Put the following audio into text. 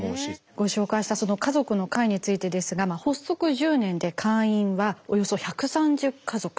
ご紹介したその家族の会についてですが発足１０年で会員はおよそ１３０家族と。